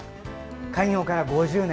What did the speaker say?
開業から５０年。